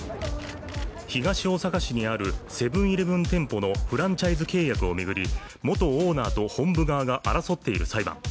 東大阪市にあるセブン−イレブン店舗のフランチャイズ契約を巡り元オーナーと本部側が争っている裁判。